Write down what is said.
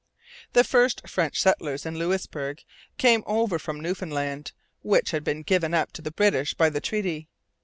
The first French settlers in Louisbourg came over from Newfoundland, which had been given up to the British by the treaty.